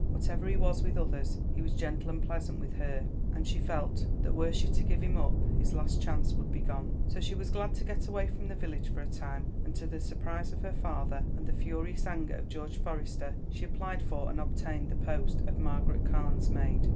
Whatever he was with others, he was gentle and pleasant with her, and she felt that were she to give him up his last chance would be gone. So she was glad to get away from the village for a time, and to the surprise of her father, and the furious anger of George Forester, she applied for and obtained the post of Margaret Carne's maid.